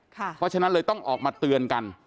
เพราะฉะนั้นเลยต้องออกมาเตือนกัน